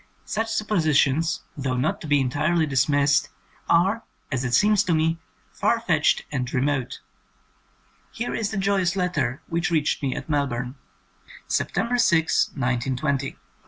Such suppositions, though not to be entirely dismissed, are, as it seems to me, far fetched and remote. Here is the joyous letter which reached me at Melbourne : 94 THE SECOND SERIES September 6, 1920.